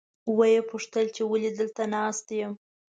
ویې پوښتل چې ولې دلته ناست یم.